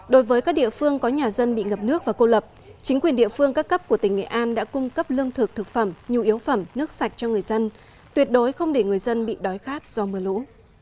đối với các địa phương có nhà dân bị ngập nước và cô lập chính quyền địa phương các cấp của tỉnh nghệ an đã cung cấp lương thực thực phẩm nhu yếu phẩm nước sạch cho người dân tuyệt đối không để người dân bị đói khát do mưa lũ